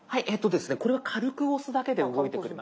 これは軽く押すだけで動いてくれます。